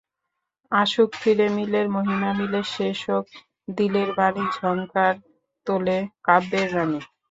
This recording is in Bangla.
আসুক ফিরে—মিলের মহিমা মিলে শেষ হোক দিলের বাণীঝংকার তোলে কাব্যের রানি।